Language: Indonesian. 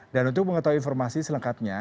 dan untuk mengetahui informasi selengkapnya